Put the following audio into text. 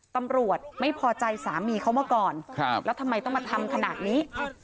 ตำรวจไม่พอใจสามีเขามาก่อนแล้วทำไมต้องมาทำขนาดนี้